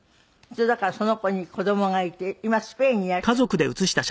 だからその子に子供がいて今スペインにいらっしゃるんだけど。